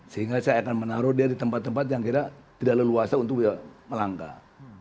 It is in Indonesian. sehingga saya akan menaruh dia di tempat tempat yang tidak leluasa untuk melangkah